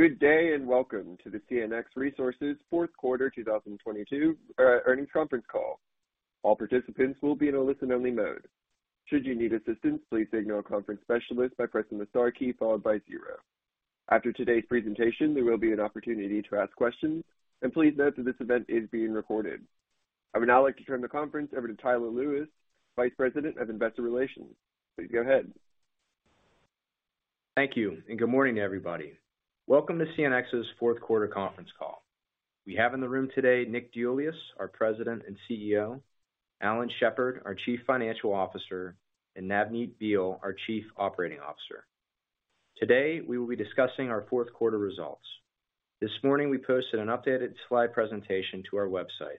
Good day. Welcome to the CNX Resources fourth quarter 2022 earnings conference call. All participants will be in a listen-only mode. Should you need assistance, please signal a conference specialist by pressing the star key followed by 0. After today's presentation, there will be an opportunity to ask questions. Please note that this event is being recorded. I would now like to turn the conference over to Tyler Lewis, Vice President of Investor Relations. Please go ahead. Thank you. Good morning, everybody. Welcome to CNX's fourth quarter conference call. We have in the room today Nick Deiuliis, our President and CEO, Alan Shepard, our Chief Financial Officer, and Navneet Behl, our Chief Operating Officer. Today, we will be discussing our fourth quarter results. This morning, we posted an updated slide presentation to our website.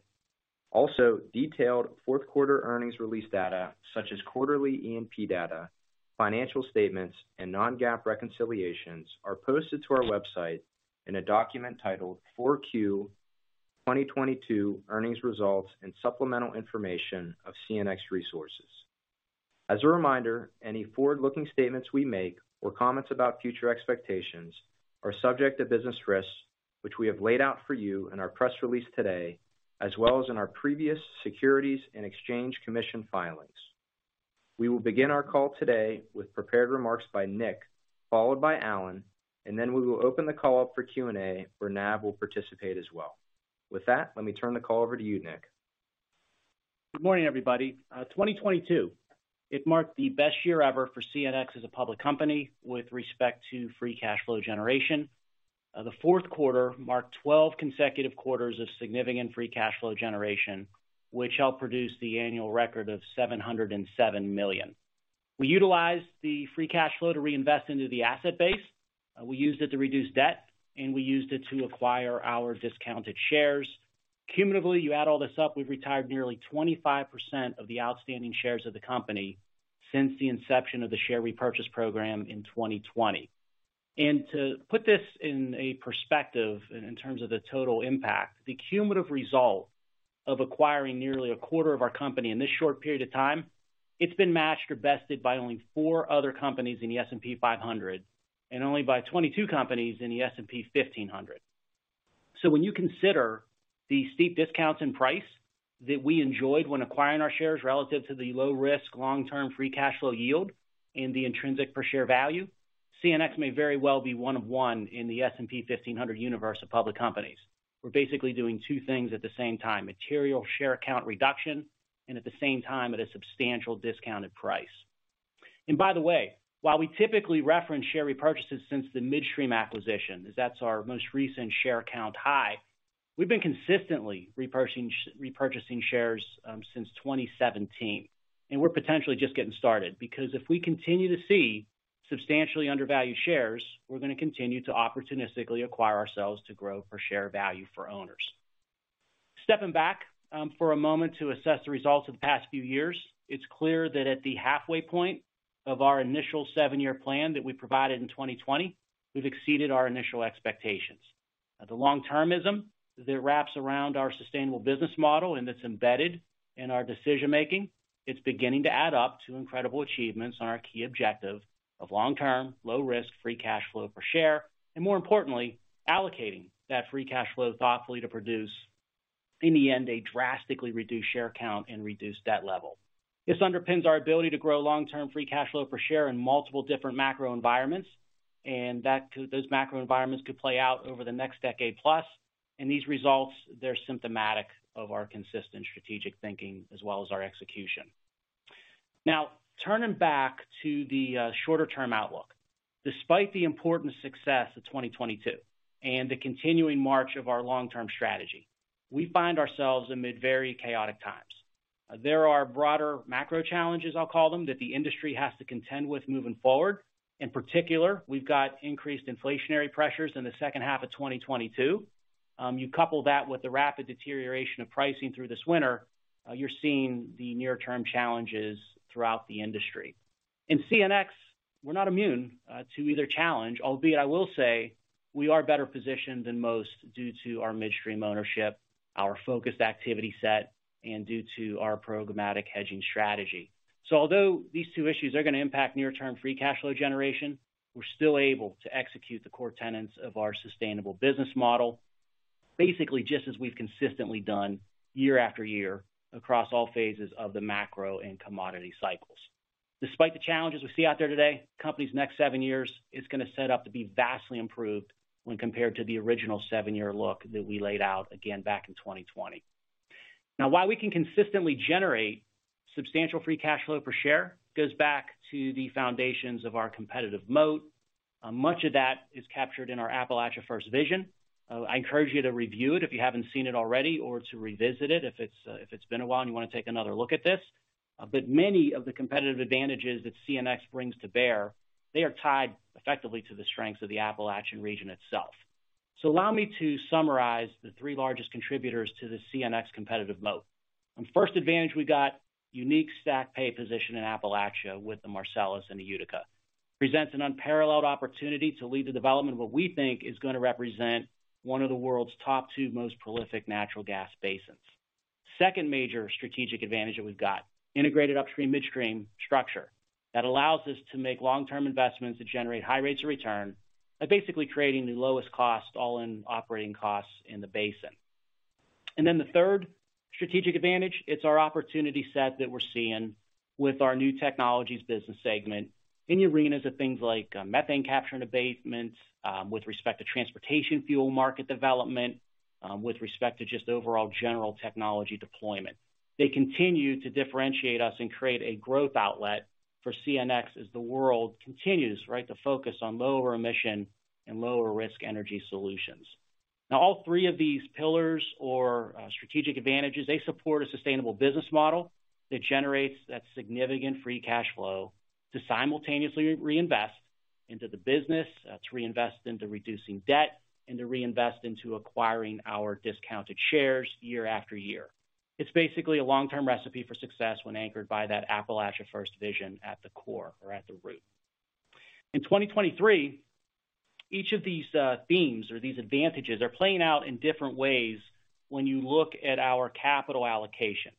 Also, detailed fourth quarter earnings release data, such as quarterly E&P data, financial statements, and non-GAAP reconciliations, are posted to our website in a document titled "4Q 2022 Earnings Results and Supplemental Information of CNX Resources." As a reminder, any forward-looking statements we make or comments about future expectations are subject to business risks, which we have laid out for you in our press release today, as well as in our previous Securities and Exchange Commission filings. We will begin our call today with prepared remarks by Nick, followed by Alan, and then we will open the call up for Q&A, where Nav will participate as well. With that, let me turn the call over to you, Nick. Good morning, everybody. 2022. It marked the best year ever for CNX as a public company with respect to free cash flow generation. The fourth quarter marked 12 consecutive quarters of significant free cash flow generation, which helped produce the annual record of $707 million. We utilized the free cash flow to reinvest into the asset base. We used it to reduce debt, and we used it to acquire our discounted shares. Cumulatively, you add all this up, we've retired nearly 25% of the outstanding shares of the company since the inception of the share repurchase program in 2020. To put this in a perspective in terms of the total impact, the cumulative result of acquiring nearly a quarter of our company in this short period of time, it's been matched or bested by only four other companies in the S&P 500 and only by 22 companies in the S&P 1500. When you consider the steep discounts and price that we enjoyed when acquiring our shares relative to the low risk long-term free cash flow yield and the intrinsic per share value, CNX may very well be one of one in the S&P 1500 universe of public companies. We're basically doing two things at the same time, material share count reduction and at the same time at a substantial discounted price. By the way, while we typically reference share repurchases since the midstream acquisition, as that's our most recent share count high, we've been consistently repurchasing shares since 2017, and we're potentially just getting started. If we continue to see substantially undervalued shares, we're gonna continue to opportunistically acquire ourselves to grow per share value for owners. Stepping back for a moment to assess the results of the past few years, it's clear that at the halfway point of our initial seven-year plan that we provided in 2020, we've exceeded our initial expectations. The long-termism that wraps around our sustainable business model, and it's embedded in our decision-making, it's beginning to add up to incredible achievements on our key objective of long-term, low risk, free cash flow per share, and more importantly, allocating that free cash flow thoughtfully to produce, in the end, a drastically reduced share count and reduced debt level. This underpins our ability to grow long-term free cash flow per share in multiple different macro environments, those macro environments could play out over the next decade plus. These results they're symptomatic of our consistent strategic thinking as well as our execution. Turning back to the shorter-term outlook. Despite the important success of 2022 and the continuing march of our long-term strategy, we find ourselves amid very chaotic times. There are broader macro challenges, I'll call them, that the industry has to contend with moving forward. In particular, we've got increased inflationary pressures in the second half of 2022. You couple that with the rapid deterioration of pricing through this winter, you're seeing the near-term challenges throughout the industry. In CNX, we're not immune to either challenge, albeit I will say we are better positioned than most due to our midstream ownership, our focused activity set, and due to our programmatic hedging strategy. Although these two issues are gonna impact near-term free cash flow generation, we're still able to execute the core tenets of our sustainable business model, basically just as we've consistently done year after year across all phases of the macro and commodity cycles. Despite the challenges we see out there today, company's next seven years is gonna set up to be vastly improved when compared to the original seven-year look that we laid out again back in 2020. Now, while we can consistently generate substantial free cash flow per share, goes back to the foundations of our competitive moat. Much of that is captured in our Appalachia First vision. I encourage you to review it if you haven't seen it already or to revisit it if it's if it's been a while and you wanna take another look at this. Many of the competitive advantages that CNX brings to bear, they are tied effectively to the strengths of the Appalachian region itself. Allow me to summarize the three largest contributors to the CNX competitive moat. On first advantage we got unique stacked pay position in Appalachia with the Marcellus and the Utica. Presents an unparalleled opportunity to lead the development of what we think is gonna represent one of the world's top two most prolific natural gas basins. Second major strategic advantage that we've got, integrated upstream midstream structure that allows us to make long-term investments that generate high rates of return by basically creating the lowest cost, all-in operating costs in the basin. Then the third strategic advantage it's our opportunity set that we're seeing with our New Technologies business segment in the arenas of things like methane capture and abatements, with respect to transportation fuel market development, with respect to just overall general technology deployment. They continue to differentiate us and create a growth outlet for CNX as the world continues, right, to focus on lower emission and lower risk energy solutions. All three of these pillars or strategic advantages, they support a sustainable business model that generates that significant free cash flow to simultaneously reinvest into the business, to reinvest into reducing debt, and to reinvest into acquiring our discounted shares year after year. It's basically a long-term recipe for success when anchored by that Appalachia First vision at the core or at the root. In 2023, each of these themes or these advantages are playing out in different ways when you look at our capital allocation.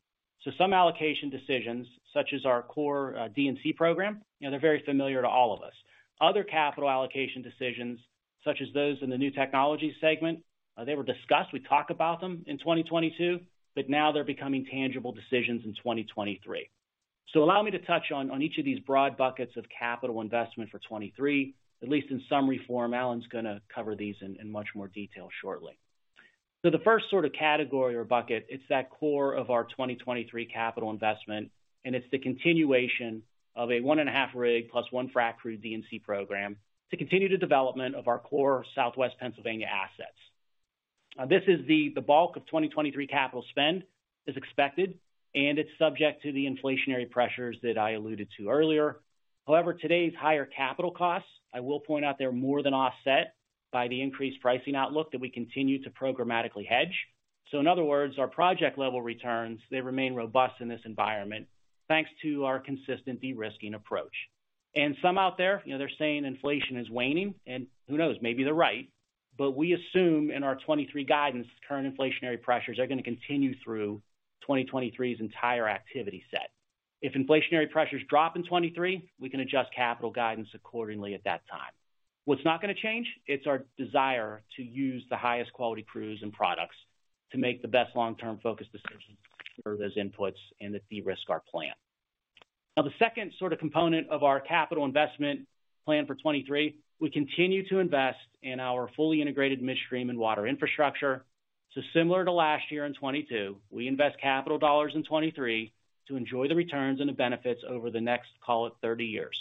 Some allocation decisions such as our core D&C program, you know, they're very familiar to all of us. Other capital allocation decisions, such as those in the New Technologies segment, they were discussed, we talked about them in 2022, but now they're becoming tangible decisions in 2023. Allow me to touch on each of these broad buckets of capital investment for 2023, at least in summary form. Alan's gonna cover these in much more detail shortly. The first sort of category or bucket, it's that core of our 2023 capital investment, and it's the continuation of a 1.5 rig plus 1 frac crew D&C program to continue the development of our core Southwest Pennsylvania assets. This is the bulk of 2023 capital spend is expected, and it's subject to the inflationary pressures that I alluded to earlier. However, today's higher capital costs, I will point out they're more than offset by the increased pricing outlook that we continue to programmatically hedge. In other words, our project-level returns, they remain robust in this environment, thanks to our consistent de-risking approach. Some out there, you know, they're saying inflation is waning, and who knows, maybe they're right. We assume in our 2023 guidance, current inflationary pressures are gonna continue through 2023's entire activity set. If inflationary pressures drop in 2023, we can adjust capital guidance accordingly at that time. What's not gonna change, it's our desire to use the highest quality crews and products to make the best long-term focus decisions for those inputs and to de-risk our plan. The second sort of component of our capital investment plan for 2023, we continue to invest in our fully integrated midstream and water infrastructure. Similar to last year in 2022, we invest capital dollars in 2023 to enjoy the returns and the benefits over the next, call it 30 years.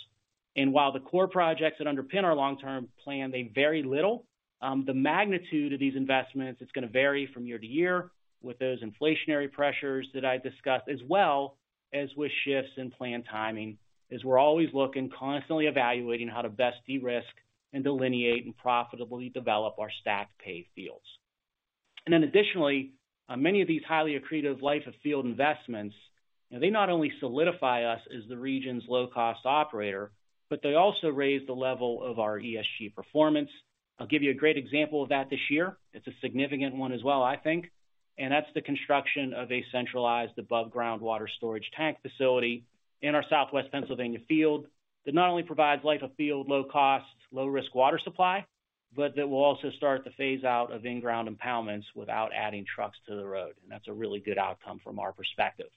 While the core projects that underpin our long-term plan, they vary little, the magnitude of these investments it's gonna vary from year to year with those inflationary pressures that I discussed, as well as with shifts in plan timing, as we're always looking, constantly evaluating how to best de-risk and delineate and profitably develop our stacked pay fields. Additionally, many of these highly accretive life-of-field investments, you know, they not only solidify us as the region's low-cost operator, but they also raise the level of our ESG performance. I'll give you a great example of that this year. It's a significant one as well, I think. That's the construction of a centralized above-ground water storage tank facility in our Southwest Pennsylvania field that not only provides life of field low cost, low risk water supply, but that will also start the phase out of in-ground impoundments without adding trucks to the road. That's a really good outcome from our perspective.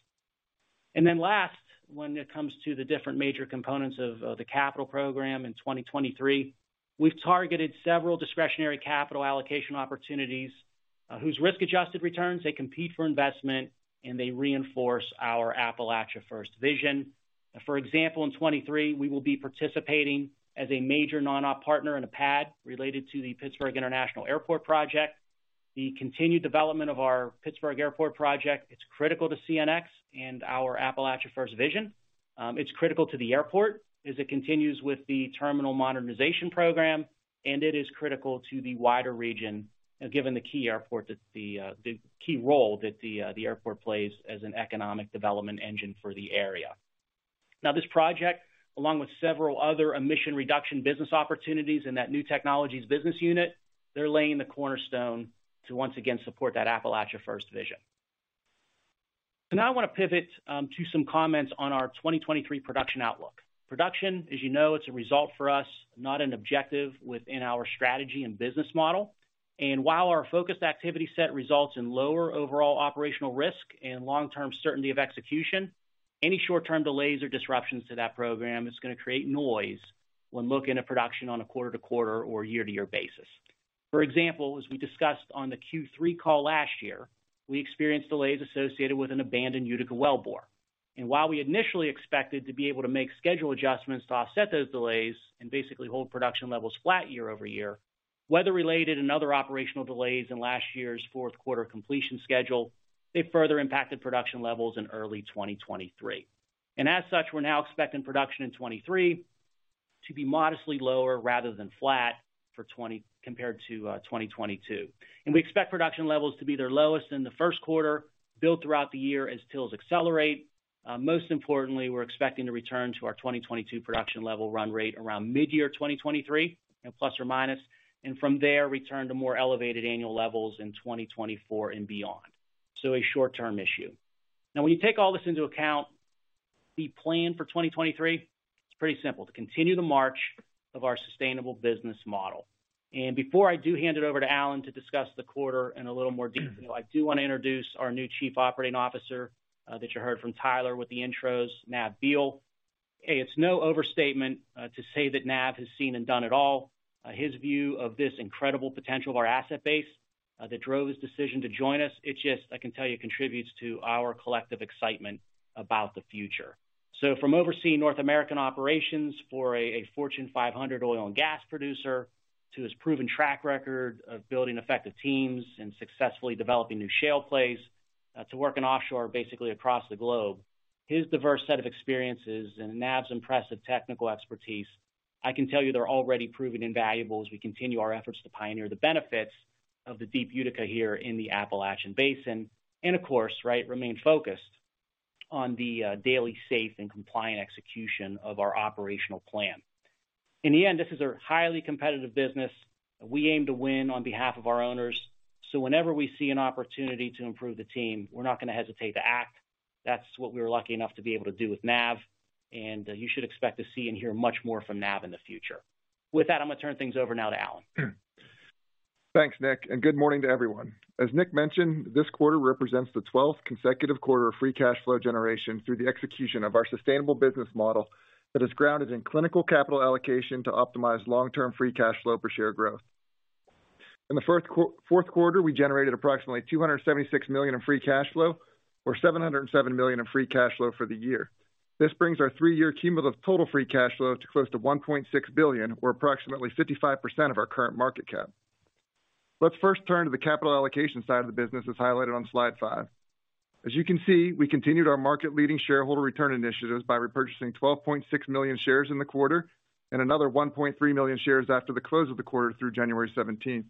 Last, when it comes to the different major components of the capital program in 2023, we've targeted several discretionary capital allocation opportunities whose risk-adjusted returns, they compete for investment and they reinforce our Appalachia First vision. For example, in 2023, we will be participating as a major non-op partner in a pad related to the Pittsburgh International Airport project. The continued development of our Pittsburgh Airport project, it's critical to CNX and our Appalachia First vision. It's critical to the airport as it continues with the terminal modernization program, and it is critical to the wider region, you know, given the key role that the airport plays as an economic development engine for the area. This project, along with several other emission reduction business opportunities in that New Technologies business unit, they're laying the cornerstone to once again support that Appalachia First vision. Now I wanna pivot to some comments on our 2023 production outlook. Production, as you know, is a result for us, not an objective within our strategy and business model. While our focused activity set results in lower overall operational risk and long-term certainty of execution, any short-term delays or disruptions to that program is going to create noise when looking at production on a quarter-over-quarter or year-over-year basis. For example, as we discussed on the Q3 call last year, we experienced delays associated with an abandoned Utica wellbore. While we initially expected to be able to make schedule adjustments to offset those delays and basically hold production levels flat year-over-year, weather-related and other operational delays in last year's fourth quarter completion schedule, they further impacted production levels in early 2023. As such, we're now expecting production in 2023 to be modestly lower rather than flat compared to 2022. We expect production levels to be their lowest in the first quarter, build throughout the year as TILs accelerate. Most importantly, we're expecting to return to our 2022 production level run rate around mid-year 2023 ±. From there, return to more elevated annual levels in 2024 and beyond. A short-term issue. Now, when you take all this into account, the plan for 2023, it's pretty simple, to continue the march of our sustainable business model. Before I hand it over to Alan to discuss the quarter in a little more detail, I do wanna introduce our new Chief Operating Officer, that you heard from Tyler with the intros, Nav Behl. It's no overstatement to say that Nav has seen and done it all. His view of this incredible potential of our asset base that drove his decision to join us. It's just, I can tell you, contributes to our collective excitement about the future. From overseeing North American operations for a Fortune 500 oil and gas producer, to his proven track record of building effective teams and successfully developing new shale plays, to work in offshore basically across the globe. His diverse set of experiences and Nav's impressive technical expertise, I can tell you they're already proven invaluable as we continue our efforts to pioneer the benefits of the deep Utica here in the Appalachian Basin. Of course, right, remain focused on the daily safe and compliant execution of our operational plan. In the end, this is a highly competitive business. We aim to win on behalf of our owners. Whenever we see an opportunity to improve the team, we're not gonna hesitate to act. That's what we were lucky enough to be able to do with Nav, and you should expect to see and hear much more from Nav in the future. With that, I'm gonna turn things over now to Alan. Thanks, Nick, good morning to everyone. As Nick mentioned, this quarter represents the 12th consecutive quarter of free cash flow generation through the execution of our sustainable business model that is grounded in clinical capital allocation to optimize long-term free cash flow per share growth. In the fourth quarter, we generated approximately $276 million in free cash flow or $707 million in free cash flow for the year. This brings our three-year cumulative total free cash flow to close to $1.6 billion, or approximately 55% of our current market cap. Let's first turn to the capital allocation side of the business as highlighted on slide 5. As you can see, we continued our market-leading shareholder return initiatives by repurchasing 12.6 million shares in the quarter, and another 1.3 million shares after the close of the quarter through January 17th.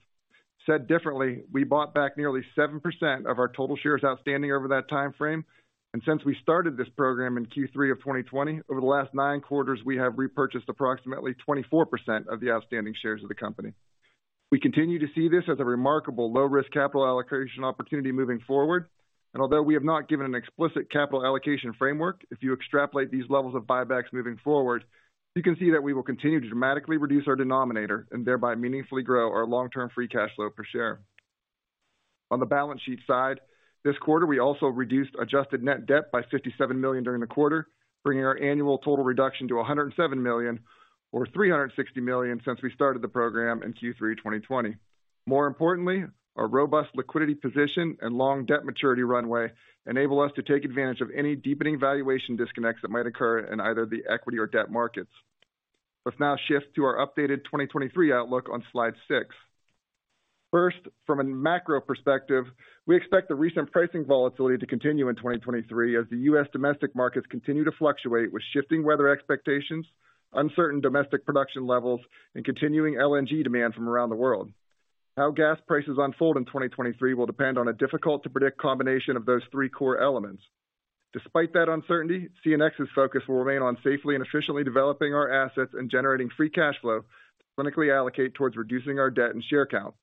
Said differently, we bought back nearly 7% of our total shares outstanding over that timeframe. Since we started this program in Q3 of 2020, over the last nine quarters, we have repurchased approximately 24% of the outstanding shares of the company. We continue to see this as a remarkable low-risk capital allocation opportunity moving forward. Although we have not given an explicit capital allocation framework, if you extrapolate these levels of buybacks moving forward, you can see that we will continue to dramatically reduce our denominator and thereby meaningfully grow our long-term free cash flow per share. On the balance sheet side, this quarter, we also reduced adjusted net debt by $57 million during the quarter, bringing our annual total reduction to $107 million or $360 million since we started the program in Q3 2020. More importantly, our robust liquidity position and long debt maturity runway enable us to take advantage of any deepening valuation disconnects that might occur in either the equity or debt markets. Let's now shift to our updated 2023 outlook on slide 6. First, from a macro perspective, we expect the recent pricing volatility to continue in 2023 as the US domestic markets continue to fluctuate with shifting weather expectations, uncertain domestic production levels, and continuing LNG demand from around the world. How gas prices unfold in 2023 will depend on a difficult-to-predict combination of those three core elements. Despite that uncertainty, CNX's focus will remain on safely and efficiently developing our assets and generating free cash flow to clinically allocate towards reducing our debt and share count.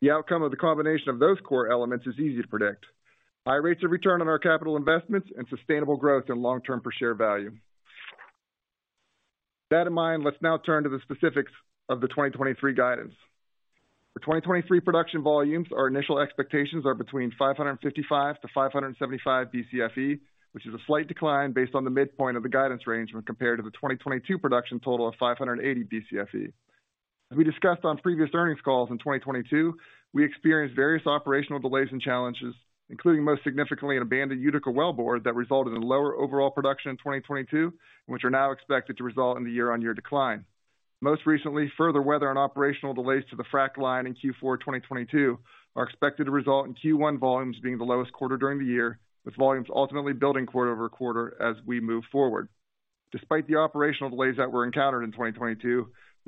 The outcome of the combination of those core elements is easy to predict. High rates of return on our capital investments, and sustainable growth, and long-term per share value. That in mind, let's now turn to the specifics of the 2023 guidance. For 2023 production volumes, our initial expectations are between 555-575 Bcfe, which is a slight decline based on the midpoint of the guidance range when compared to the 2022 production total of 580 Bcfe. As we discussed on previous earnings calls in 2022, we experienced various operational delays and challenges, including most significantly, an abandoned Utica wellbore that resulted in lower overall production in 2022, which are now expected to result in the year-on-year decline. Most recently, further weather and operational delays to the frac line in Q4 2022 are expected to result in Q1 volumes being the lowest quarter during the year, with volumes ultimately building quarter over quarter as we move forward. Despite the operational delays that were encountered in 2022, we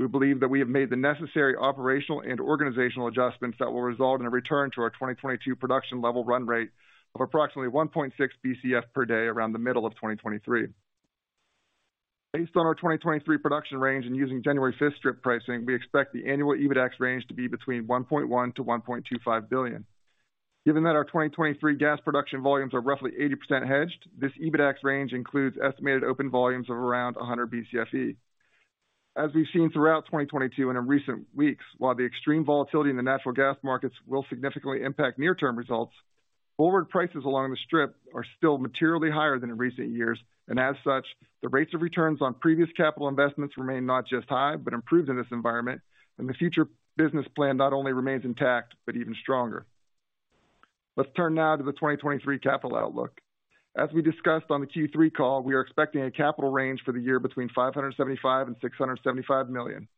believe that we have made the necessary operational and organizational adjustments that will result in a return to our 2022 production level run rate of approximately 1.6 Bcf per day around the middle of 2023. Based on our 2023 production range and using January 5th strip pricing, we expect the annual EBITDAX range to be between $1.1 billion-$1.25 billion. Given that our 2023 gas production volumes are roughly 80% hedged, this EBITDAX range includes estimated open volumes of around 100 Bcfe. As we've seen throughout 2022 and in recent weeks, while the extreme volatility in the natural gas markets will significantly impact near-term results, forward prices along the strip are still materially higher than in recent years. As such, the rates of returns on previous capital investments remain not just high, but improved in this environment. The future business plan not only remains intact, but even stronger. Let's turn now to the 2023 capital outlook. As we discussed on the Q3 call, we are expecting a capital range for the year between $575 million and $675 million.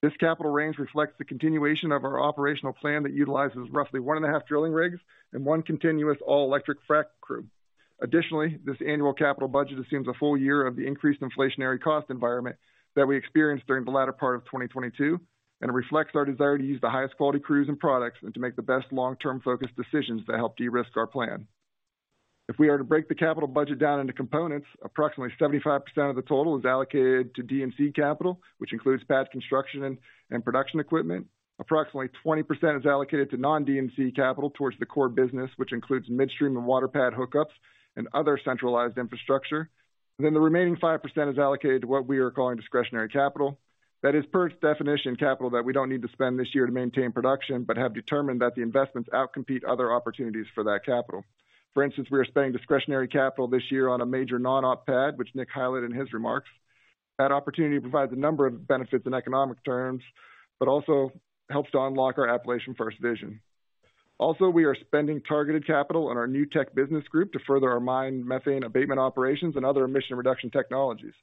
This capital range reflects the continuation of our operational plan that utilizes roughly 1.5 drilling rigs and one continuous all-electric frac fleet. This annual capital budget assumes a full year of the increased inflationary cost environment that we experienced during the latter part of 2022, and reflects our desire to use the highest quality crews and products, and to make the best long-term focused decisions to help de-risk our plan. If we are to break the capital budget down into components, approximately 75% of the total is allocated to D&C capital, which includes past construction and production equipment. Approximately 20% is allocated to non-D&C capital towards the core business, which includes midstream and water pad hookups and other centralized infrastructure. The remaining 5% is allocated to what we are calling discretionary capital. That is per its definition, capital that we don't need to spend this year to maintain production, but have determined that the investments out-compete other opportunities for that capital. For instance, we are spending discretionary capital this year on a major non-op pad, which Nick highlighted in his remarks. That opportunity provides a number of benefits in economic terms, but also helps to unlock our Appalachia First vision. We are spending targeted capital on our New Technologies business group to further our mine methane abatement operations and other emission reduction technologies.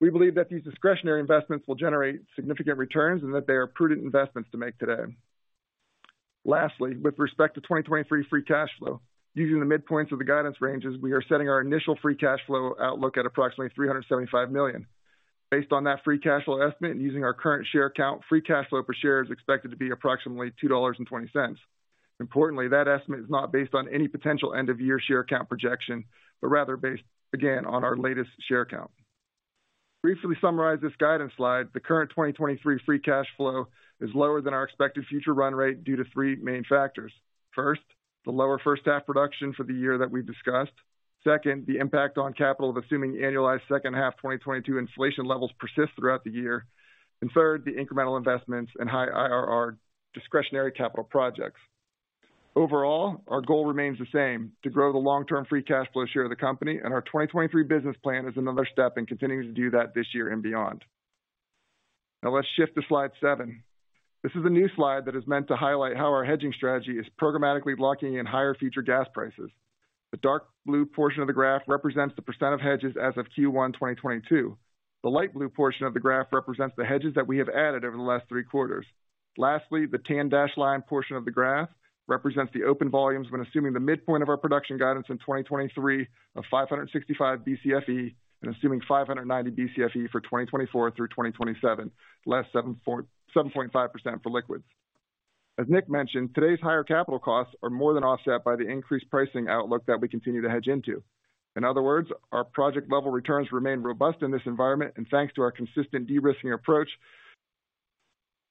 We believe that these discretionary investments will generate significant returns and that they are prudent investments to make today. Lastly, with respect to 2023 free cash flow. Using the midpoints of the guidance ranges, we are setting our initial free cash flow outlook at approximately $375 million. Based on that free cash flow estimate and using our current share count, free cash flow per share is expected to be approximately $2.20. Importantly, that estimate is not based on any potential end of year share count projection, but rather based, again, on our latest share count. To briefly summarize this guidance slide, the current 2023 free cash flow is lower than our expected future run rate due to three main factors. First, the lower first-half production for the year that we've discussed. Second, the impact on capital of assuming annualized second-half 2022 inflation levels persist throughout the year. Third, the incremental investments and high IRR discretionary capital projects. Overall, our goal remains the same, to grow the long-term free cash flow share of the company, and our 2023 business plan is another step in continuing to do that this year and beyond. Now let's shift to slide 7. This is a new slide that is meant to highlight how our hedging strategy is programmatically locking in higher future gas prices. The dark blue portion of the graph represents the percent of hedges as of Q1 2022. The light blue portion of the graph represents the hedges that we have added over the last three quarters. Lastly, the tan dashed line portion of the graph represents the open volumes when assuming the midpoint of our production guidance in 2023 of 565 Bcfe and assuming 590 Bcfe for 2024 through 2027, less 7.5% for liquids. As Nick mentioned, today's higher capital costs are more than offset by the increased pricing outlook that we continue to hedge into. In other words, our project-level returns remain robust in this environment. Thanks to our consistent de-risking approach,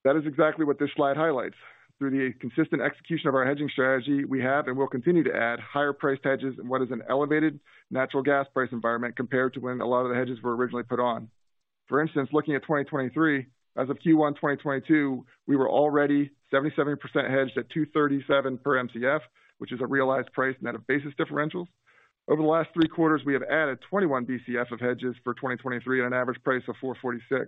that is exactly what this slide highlights. Through the consistent execution of our hedging strategy, we have and will continue to add higher-priced hedges in what is an elevated natural gas price environment compared to when a lot of the hedges were originally put on. For instance, looking at 2023, as of Q1 2022, we were already 77% hedged at $2.37 per MCF, which is a realized price net of basis differentials. Over the last three quarters, we have added 21 Bcf of hedges for 2023 at an average price of $4.46.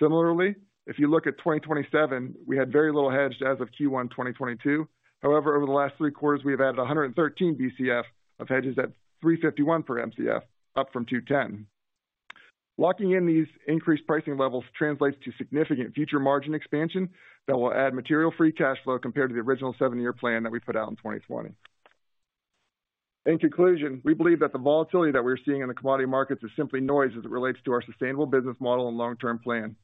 Similarly, if you look at 2027, we had very little hedged as of Q1 2022. Over the last three quarters, we have added 113 Bcf of hedges at $3.51 per MCF, up from $2.10. Locking in these increased pricing levels translates to significant future margin expansion that will add material free cash flow compared to the original seven-year plan that we put out in 2020. In conclusion, we believe that the volatility that we're seeing in the commodity markets is simply noise as it relates to our sustainable business model and long-term plan.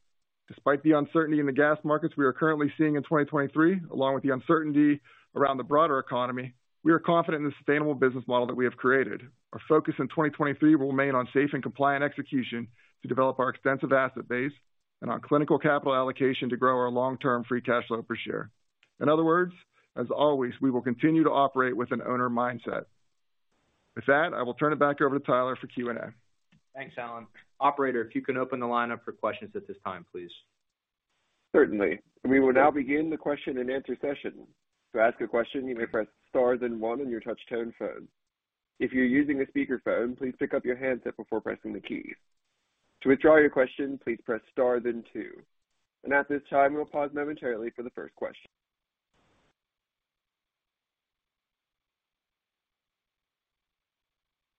Despite the uncertainty in the gas markets we are currently seeing in 2023, along with the uncertainty around the broader economy, we are confident in the sustainable business model that we have created. Our focus in 2023 will remain on safe and compliant execution to develop our extensive asset base and on clinical capital allocation to grow our long-term free cash flow per share. In other words, as always, we will continue to operate with an owner mindset. With that, I will turn it back over to Tyler for Q&A. Thanks, Alan. Operator, if you can open the line up for questions at this time, please. Certainly. We will now begin the question and answer session. To ask a question, you may press star then one on your touch-tone phone. If you're using a speakerphone, please pick up your handset before pressing the key. To withdraw your question, please press star then two. At this time, we'll pause momentarily for the first question.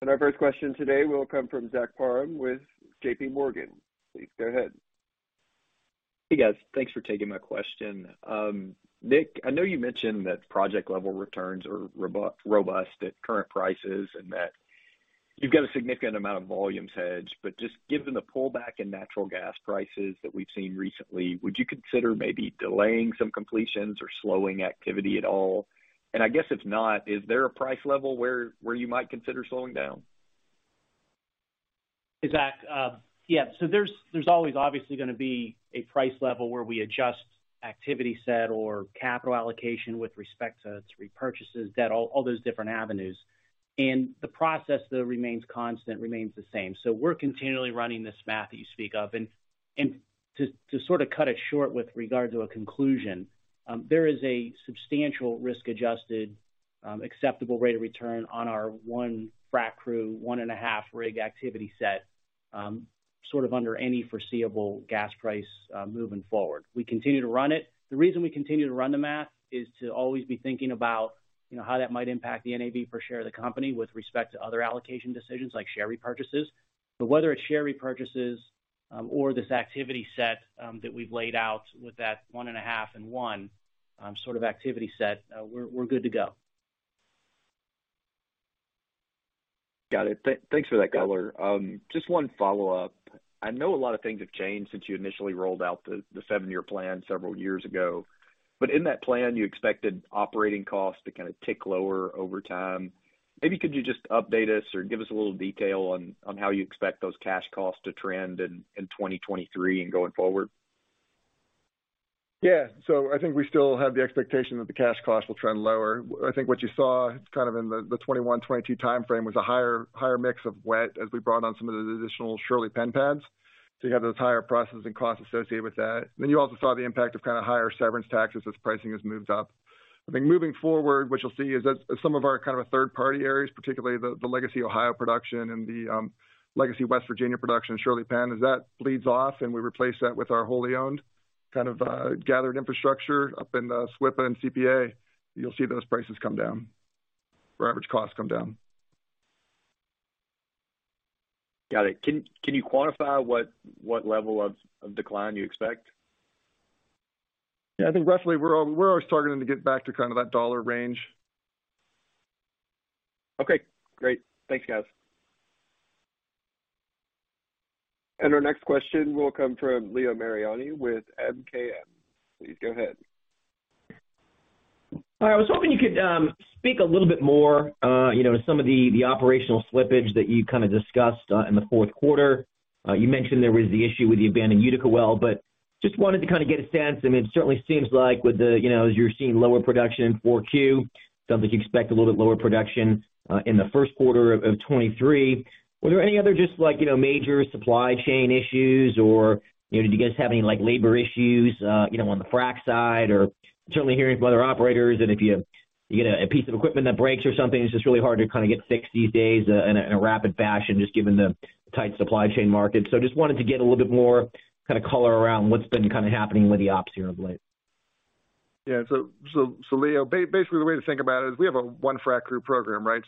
Our first question today will come from Zach Parham with JPMorgan. Please go ahead. Hey, guys. Thanks for taking my question. Nick, I know you mentioned that project-level returns are robust at current prices and that you've got a significant amount of volumes hedged. Just given the pullback in natural gas prices that we've seen recently, would you consider maybe delaying some completions or slowing activity at all? I guess if not, is there a price level where you might consider slowing down? Hey, Zach. Yeah. There's always obviously gonna be a price level where we adjust activity set or capital allocation with respect to repurchases, debt, all those different avenues. The process, though, remains constant, remains the same. We're continually running this math that you speak of. To sort of cut it short with regard to a conclusion, there is a substantial risk-adjusted, acceptable rate of return on our one frac crew, one and a half rig activity set, sort of under any foreseeable gas price, moving forward. We continue to run it. The reason we continue to run the math is to always be thinking about, you know, how that might impact the NAV per share of the company with respect to other allocation decisions like share repurchases. Whether it's share repurchases or this activity set, that we've laid out with that 1.5 and 1 sort of activity set, we're good to go. Got it. Thanks for that color. Just one follow-up. I know a lot of things have changed since you initially rolled out the seven-year plan several years ago. In that plan, you expected operating costs to kind of tick lower over time. Maybe could you just update us or give us a little detail on how you expect those cash costs to trend in 2023 and going forward? Yeah. I think we still have the expectation that the cash costs will trend lower. I think what you saw, kind of in the 2021, 2022 timeframe, was a higher mix of wet, as we brought on some of the additional Shirley-Penn pads. You have those higher processing costs associated with that. You also saw the impact of kind of higher severance taxes as pricing has moved up. I think moving fo``rward, what you'll see is that some of our kind of our third party areas, particularly the legacy Ohio production and the legacy West Virginia production, Shirley-Penn, as that bleeds off and we replace that with our wholly owned kind of gathered infrastructure up in the SWP and CPA, you'll see those prices come down or average costs come down. Got it. Can you quantify what level of decline you expect? Yeah. I think roughly we're always targeting to get back to kind of that dollar range. Okay, great. Thanks, guys. Our next question will come from Leo Mariani with MKM. Please go ahead. I was hoping you could speak a little bit more, you know, to some of the operational slippage that you kind of discussed in the fourth quarter. You mentioned there was the issue with the abandoned Utica well, but just wanted to kind of get a sense. I mean, it certainly seems like with the, you know, as you're seeing lower production in 4Q, sounds like you expect a little bit lower production in the first quarter of 2023. Were there any other just like, you know, major supply chain issues or, you know, did you guys have any, like, labor issues, you know, on the frac side? Certainly, hearing from other operators that if you have, you know, a piece of equipment that breaks or something, it's just really hard to kind of get fixed these days, in a rapid fashion, just given the tight supply chain market. Just wanted to get a little bit more kind of color around what's been kind of happening with the ops here of late. Yeah. So Leo, basically the way to think about it is we have a 1 frac crew program, right?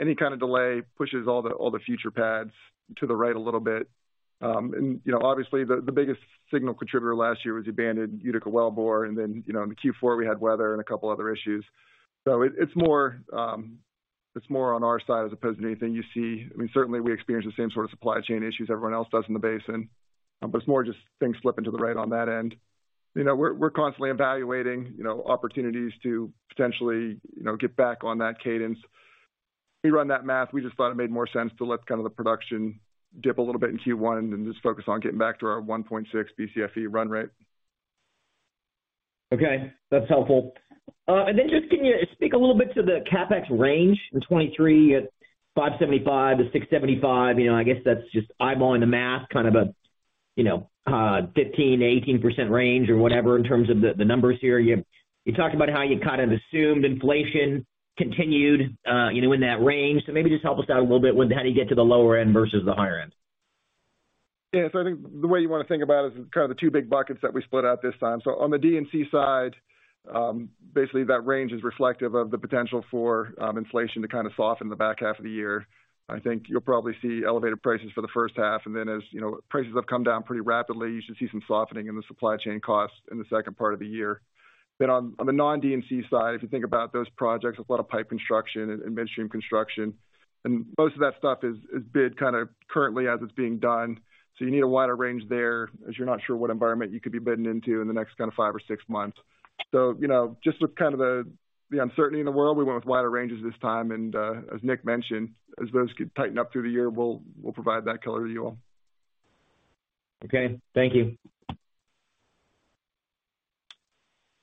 Any kind of delay pushes all the future pads to the right a little bit. You know, obviously, the biggest signal contributor last year was abandoned Utica wellbore. Then, you know, in the Q4, we had weather and a couple other issues. It's more, it's more on our side as opposed to anything you see. I mean, certainly, we experience the same sort of supply chain issues everyone else does in the basin, it's more just things slipping to the right on that end. You know, we're constantly evaluating, you know, opportunities to potentially, you know, get back on that cadence. We run that math. We just thought it made more sense to let kind of the production dip a little bit in Q1 and then just focus on getting back to our 1.6 Bcfe run rate. Okay, that's helpful. Then just can you speak a little bit to the CapEx range in 2023 at $575-$675? You know, I guess that's just eyeballing the math, kind of a, you know, 15%-18% range or whatever in terms of the numbers here. You talked about how you kind of assumed inflation continued, you know, in that range. Maybe just help us out a little bit with how do you get to the lower end versus the higher end. I think the way you wanna think about is kind of the two big buckets that we split out this time. On the D&C side, basically, that range is reflective of the potential for inflation to kind of soften in the back half of the year. I think you'll probably see elevated prices for the first half, and then as you know, prices have come down pretty rapidly. You should see some softening in the supply chain costs in the second part of the year. On the non-D&C side, if you think about those projects, there's a lot of pipe construction and midstream construction, and most of that stuff is bid kind of currently as it's being done. You need a wider range there as you're not sure what environment you could be bidding into in the next kind of 5-6 months. You know, just with kind of the uncertainty in the world, we went with wider ranges this time. As Nick mentioned, as those could tighten up through the year, we'll provide that color to you all. Okay. Thank you.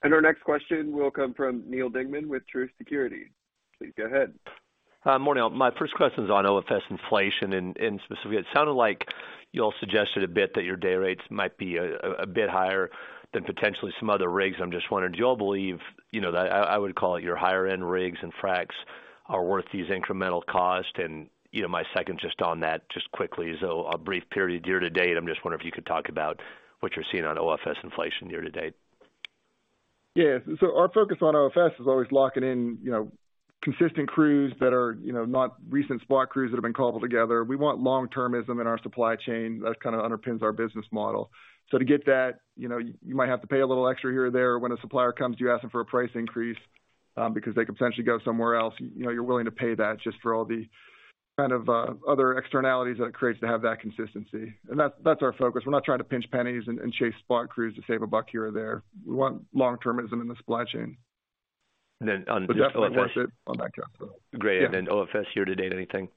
Our next question will come from Neal Dingmann with Truist Securities. Please go ahead. Morning all. My first question is on OFS inflation, and specifically, it sounded like y'all suggested a bit that your day rates might be a bit higher than potentially some other rigs. I'm just wondering, do y'all believe, you know, that I would call it your higher-end rigs and fracs are worth these incremental costs? You know, my second just on that just quickly is, a brief period year to date. I'm just wondering if you could talk about what you're seeing on OFS inflation year to date? Our focus on OFS is always locking in, you know, consistent crews that are, you know, not recent spot crews that have been cobbled together. We want long-termism in our supply chain. That kind of underpins our business model. To get that, you know, you might have to pay a little extra here or there. When a supplier comes to you asking for a price increase, because they could potentially go somewhere else, you know, you're willing to pay that just for all the kind of other externalities that it creates to have that consistency. That's our focus. We're not trying to pinch pennies and chase spot crews to save a buck here or there. We want long-termism in the supply chain. And then on just- Definitely worth it on that count. So... Great. Yeah. OFS year to date, anything?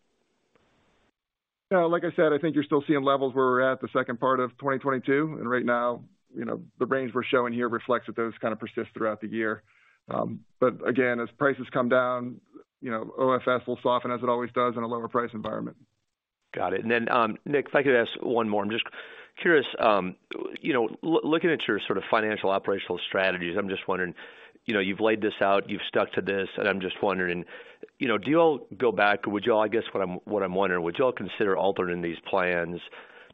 Like I said, I think you're still seeing levels where we're at the second part of 2022. Right now, you know, the range we're showing here reflects that those kind of persist throughout the year. Again, as prices come down, you know, OFS will soften as it always does in a lower price environment. Got it. Then, Nick, if I could ask 1 more. I'm just curious, you know, looking at your sort of financial operational strategies, I'm just wondering, you know, you've laid this out, you've stuck to this, and I'm just wondering, you know, do y'all go back or I guess what I'm wondering, would you all consider altering these plans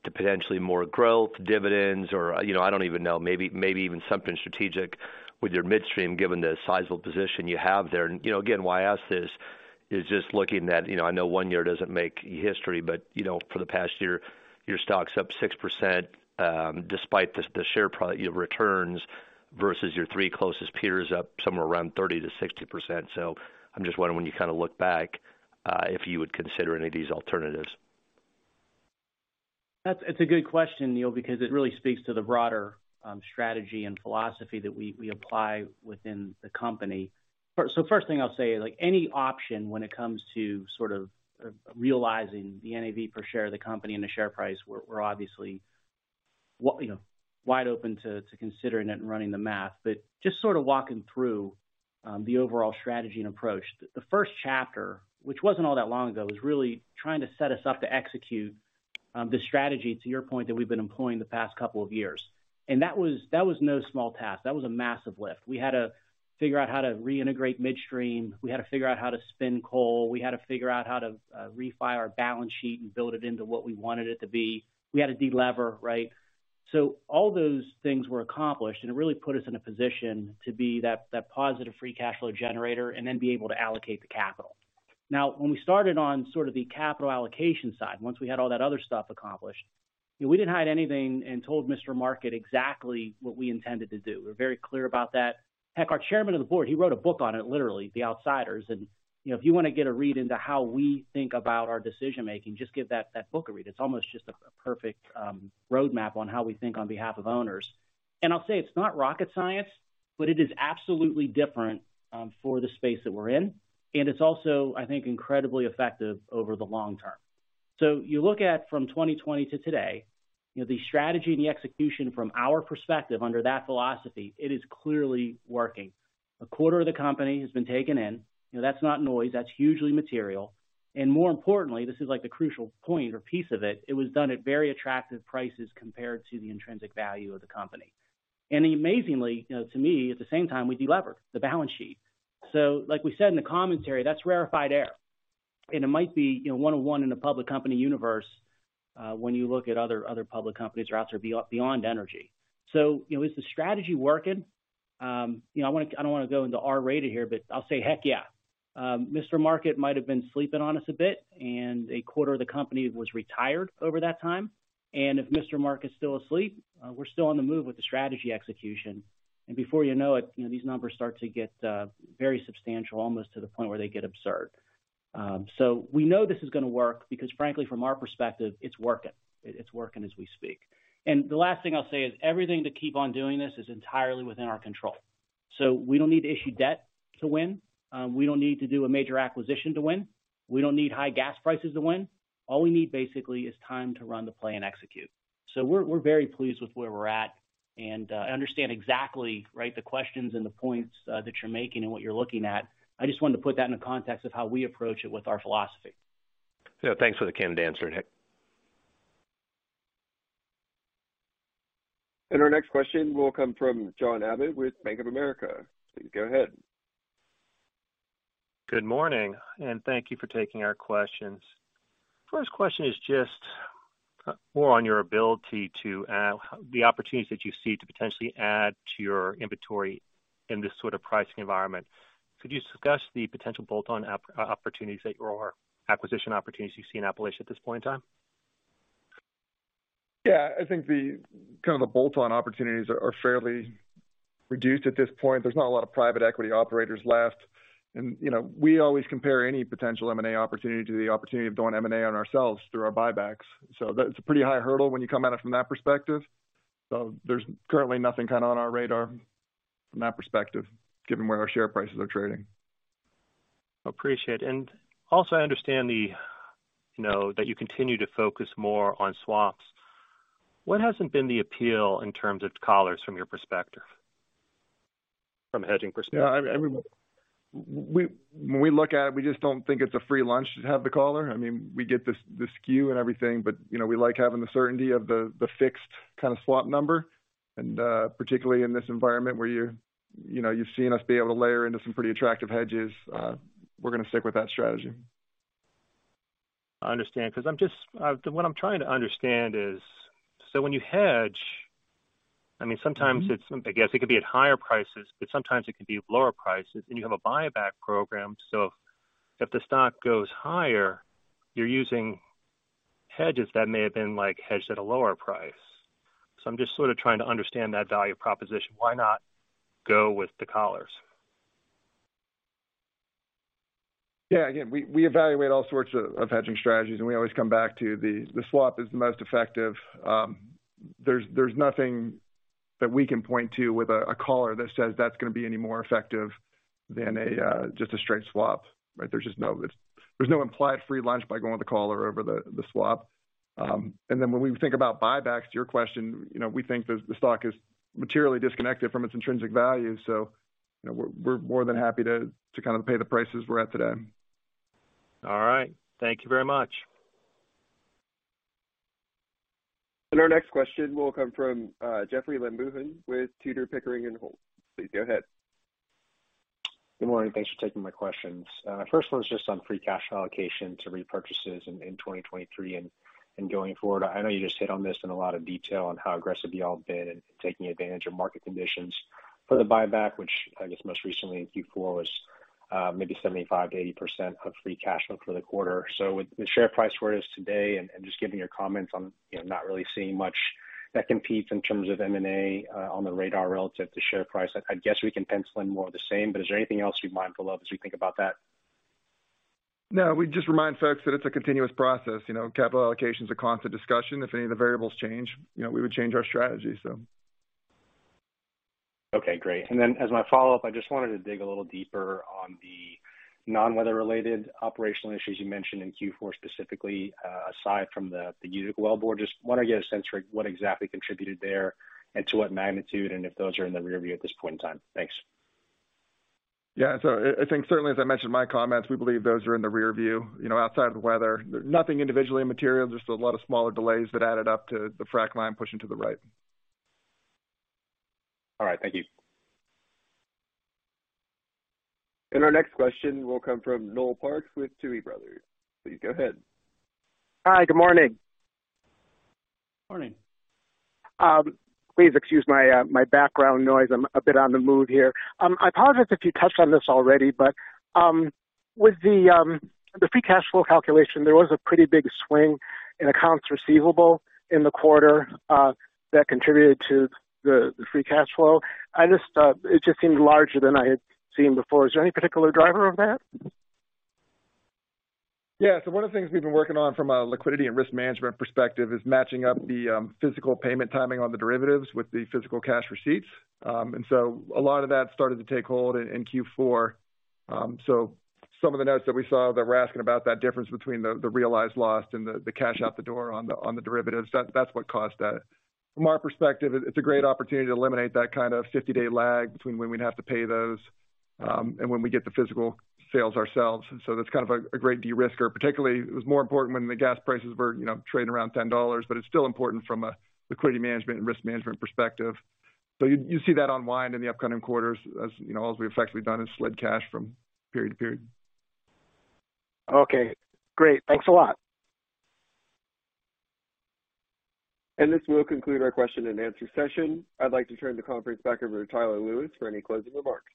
to potentially more growth dividends or, you know, I don't even know, maybe even something strategic with your midstream, given the sizable position you have there? You know, again, why I ask this is just looking at, you know, I know one year doesn't make history, but, you know, for the past year, your stock's up 6%, despite the share returns. Versus your three closest peers up, somewhere around 30%-60%. I'm just wondering, when you kind of look back, if you would consider any of these alternatives. That's a good question, Neal, because it really speaks to the broader strategy and philosophy that we apply within the company. First thing I'll say, like any option when it comes to sort of realizing the NAV per share of the company and the share price, we're obviously, you know, wide open to considering it and running the math. Just sort of walking through the overall strategy and approach. The first chapter, which wasn't all that long ago, was really trying to set us up to execute the strategy, to your point, that we've been employing the past couple of years. That was no small task. That was a massive lift. We had to figure out how to reintegrate midstream. We had to figure out how to spin coal. We had to figure out how to refi our balance sheet and build it into what we wanted it to be. We had to de-lever, right? All those things were accomplished, and it really put us in a position to be that positive free cash flow generator and then be able to allocate the capital. When we started on sort of the capital allocation side, once we had all that other stuff accomplished, we didn't hide anything and told Mr. Market exactly what we intended to do. We're very clear about that. Heck, our chairman of the board, he wrote a book on it, literally, The Outsiders. You know, if you wanna get a read into how we think about our decision-making, just give that book a read. It's almost just a perfect roadmap on how we think on behalf of owners. I'll say it's not rocket science, but it is absolutely different for the space that we're in. It's also, I think, incredibly effective over the long term. You look at from 2020 to today, you know, the strategy and the execution from our perspective under that philosophy, it is clearly working. A quarter of the company has been taken in. You know, that's not noise, that's hugely material. More importantly, this is like the crucial point or piece of it was done at very attractive prices compared to the intrinsic value of the company. Amazingly, you know, to me, at the same time, we de-levered the balance sheet. Like we said in the commentary, that's rarefied air. It might be, you know, one of one in the public company universe, when you look at other public companies or beyond energy. You know, is the strategy working? You know, I don't wanna go into R-rated here, but I'll say heck yeah. Mr. Market might have been sleeping on us a bit, and a quarter of the company was retired over that time. If Mr. Market is still asleep, we're still on the move with the strategy execution. Before you know it, you know, these numbers start to get very substantial, almost to the point where they get absurd. We know this is gonna work because frankly, from our perspective, it's working. It's working as we speak. The last thing I'll say is everything to keep on doing this is entirely within our control. We don't need to issue debt to win. We don't need to do a major acquisition to win. We don't need high gas prices to win. All we need basically is time to run the play and execute. We're very pleased with where we're at. I understand exactly, right, the questions and the points that you're making and what you're looking at. I just wanted to put that in the context of how we approach it with our philosophy. Yeah. Thanks for the candid answer, Nick. Our next question will come from John Abbott with Bank of America. Please go ahead. Good morning. Thank you for taking our questions. First question is just more on your ability to the opportunities that you see to potentially add to your inventory in this sort of pricing environment. Could you discuss the potential bolt-on opportunities or acquisition opportunities you see in Appalachia at this point in time? I think the kind of the bolt-on opportunities are fairly reduced at this point. There's not a lot of private equity operators left. You know, we always compare any potential M&A opportunity to the opportunity of doing M&A on ourselves through our buybacks. That's a pretty high hurdle when you come at it from that perspective. There's currently nothing kind of on our radar from that perspective, given where our share prices are trading. Appreciate. I understand the, you know, that you continue to focus more on swaps. What hasn't been the appeal in terms of collars from your perspective, from a hedging perspective? Yeah. I mean, when we look at it, we just don't think it's a free lunch to have the collar. I mean, we get the SKU and everything, but, you know, we like having the certainty of the fixed kind of swap number. Particularly in this environment where you know, you've seen us be able to layer into some pretty attractive hedges. We're gonna stick with that strategy. I understand. 'Cause I'm just, what I'm trying to understand is, when you hedge, I mean, sometimes it's, I guess it could be at higher prices, but sometimes it can be lower prices and you have a buyback program. If the stock goes higher, you're using hedges that may have been, like, hedged at a lower price. I'm just sort of trying to understand that value proposition. Why not go with the collars? Yeah. Again, we evaluate all sorts of hedging strategies. We always come back to the swap is the most effective. There's nothing that we can point to with a collar that says that's gonna be any more effective than a just a straight swap, right? There's no implied free lunch by going with the collar over the swap. When we think about buybacks, to your question, you know, we think the stock is materially disconnected from its intrinsic value. You know, we're more than happy to kind of pay the prices we're at today. All right. Thank you very much. Our next question will come from Jeoffrey Lambujon with Tudor, Pickering, and Holt. Please go ahead. Good morning. Thanks for taking my questions. First one is just on free cash allocation to repurchases in 2023 and going forward. I know you just hit on this in a lot of detail on how aggressive y'all have been in taking advantage of market conditions for the buyback, which I guess most recently in Q4 was maybe 75%-80% of free cash flow for the quarter. With the share price where it is today, and just given your comments on, you know, not really seeing much that competes in terms of M&A on the radar relative to share price, I guess we can pencil in more of the same. Is there anything else you're mindful of as we think about that? No. We just remind folks that it's a continuous process, you know. Capital allocation is a constant discussion. If any of the variables change, you know, we would change our strategy, so. Okay, great. Then, as my follow-up, I just wanted to dig a little deeper on the non-weather-related operational issues you mentioned in Q4, specifically, aside from the Utica wellbore. Just wanna get a sense for what exactly contributed there and to what magnitude, and if those are in the rearview at this point in time. Thanks. Yeah. I think certainly as I mentioned in my comments, we believe those are in the rearview. You know, outside of the weather, there's nothing individually material, just a lot of smaller delays that added up to the frac line pushing to the right. All right. Thank you. Our next question will come from Noel Parks with Tuohy Brothers. Please go ahead. Hi. Good morning. Morning. Please excuse my background noise. I'm a bit on the move here. I apologize if you touched on this already. With the free cash flow calculation, there was a pretty big swing in accounts receivable in the quarter that contributed to the free cash flow. It just seemed larger than I had seen before. Is there any particular driver of that? One of the things we've been working on from a liquidity and risk management perspective is matching up the physical payment timing on the derivatives with the physical cash receipts. A lot of that started to take hold in Q4. Some of the notes that we saw that were asking about that difference between the realized loss and the cash out the door on the derivatives, that's what caused that. From our perspective, it's a great opportunity to eliminate that kind of 50-day lag between when we'd have to pay those and when we get the physical sales ourselves. That's kind of a great de-risker. Particularly, it was more important when the gas prices were, you know, trading around $10, but it's still important from a liquidity management and risk management perspective. You see that unwind in the upcoming quarters, as, you know, all we've effectively done is slid cash from period to period. Okay, great. Thanks a lot. This will conclude our question and answer session. I'd like to turn the conference back over to Tyler Lewis for any closing remarks.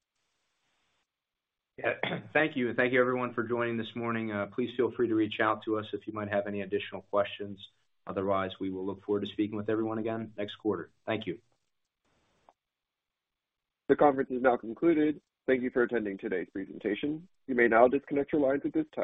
Yeah. Thank you, and thank you, everyone, for joining this morning. Please feel free to reach out to us if you might have any additional questions. Otherwise, we will look forward to speaking with everyone again next quarter. Thank you. The conference is now concluded. Thank you for attending today's presentation. You may now disconnect your lines at this time.